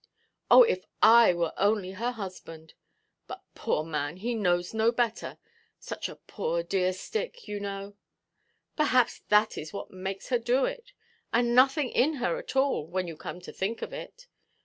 Oh, if I were only her husband! But, poor man, he knows no better. Such a poor dear stick, you know. Perhaps that is what makes her do it. And nothing in her at all, when you come to think of it.